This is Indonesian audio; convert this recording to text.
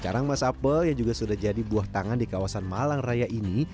karang mas apel yang juga sudah jadi buah tangan di kawasan malang raya ini